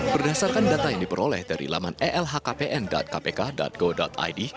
berdasarkan data yang diperoleh dari laman elhkpn kpk go id